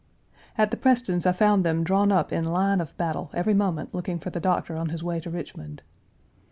At the Prestons' I found them drawn up in line of battle every moment looking for the Doctor on his way to Richmond.